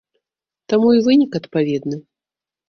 Таму і вынік адпаведны.